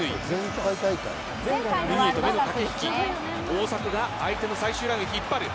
大迫が相手の最終ラインを引っ張る。